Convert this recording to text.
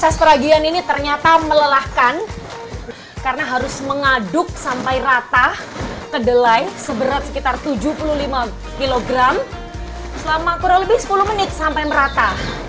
proses peragian ini ternyata melelahkan karena harus mengaduk sampai rata kedelai seberat sekitar tujuh puluh lima kg selama kurang lebih sepuluh menit sampai merata